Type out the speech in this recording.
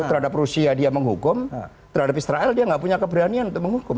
terhadap rusia dia menghukum terhadap israel dia nggak punya keberanian untuk menghukum